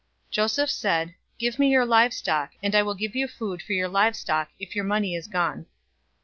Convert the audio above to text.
047:016 Joseph said, "Give me your livestock; and I will give you food for your livestock, if your money is gone."